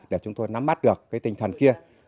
để chúng tôi nắm mắt được cái tinh thần kia